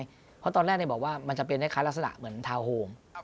เพราะตอนแรกบอกว่ามันจะเป็นคล้ายลักษณะเหมือนทาวน์โฮม